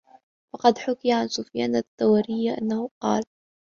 وَقَدْ حُكِيَ عَنْ سُفْيَانَ الثَّوْرِيِّ أَنَّهُ قَالَ